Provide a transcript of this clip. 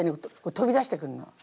飛び出してくんの。